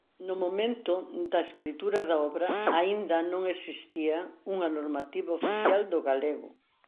No momento da escritura da obra aínda non existía unha normativa oficial do galego.